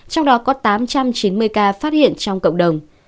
trong đó có tám trăm chín mươi ca phát hiện trong cộng đồng